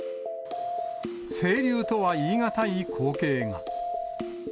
清流とは言い難い光景が。